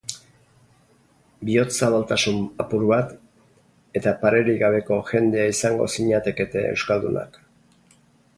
Bihotz-zabaltasun apur bat, eta parerik gabeko jendea izango zinatekete euskaldunak.